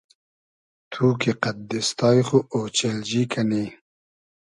تو کی قئد دیستای خو اۉچیلجی کئنی